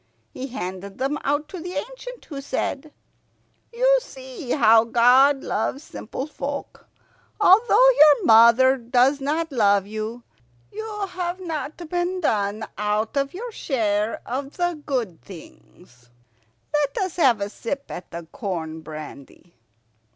He handed them out to the ancient, who said, "You see how God loves simple folk. Although your own mother does not love you, you have not been done out of your share of the good things. Let's have a sip at the corn brandy...."